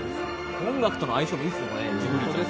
音楽との相性もいいですよね。